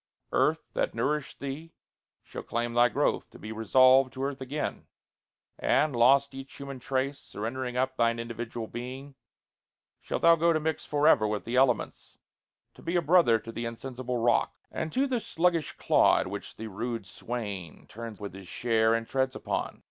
Earth, that nourished thee, shall claim Thy growth, to be resolved to earth again, And, lost each human trace, surrendering up Thine individual being, shalt thou go To mix for ever with the elements, To be a brother to the insensible rock And to the sluggish clod, which the rude swain Turns with his share, and treads upon.